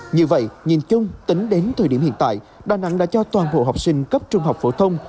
như vậy nhìn chung tính đến thời điểm hiện tại đà nẵng đã cho toàn bộ học sinh cấp trung học phổ thông